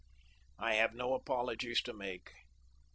I have no apologies to make.